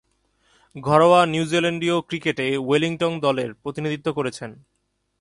ঘরোয়া নিউজিল্যান্ডীয় ক্রিকেটে ওয়েলিংটন দলের প্রতিনিধিত্ব করেছেন।